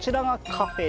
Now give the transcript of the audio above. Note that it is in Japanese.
カフェ！？